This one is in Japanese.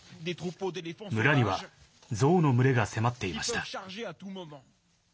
村には、ゾウの群れが迫っていました。